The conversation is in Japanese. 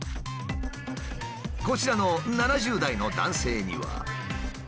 こちらの７０代の男性には。